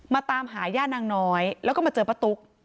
ตามหาย่านางน้อยแล้วก็มาเจอป้าตุ๊ก